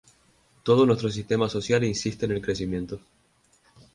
Todo nuestro sistema social insiste en el crecimiento".